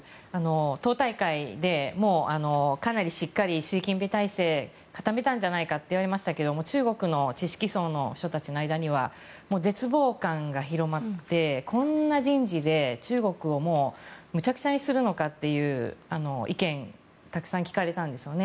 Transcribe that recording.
党大会でかなりしっかり習近平体制固めたんじゃないかといわれましたけども中国の知識層の人たちの間では絶望感が広がってこんな人事で中国もうむちゃくちゃにするのかという意見もたくさん聞かれたんですよね。